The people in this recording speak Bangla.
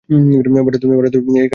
ভারতে এই কাজটি করা বিশেষ দরকার।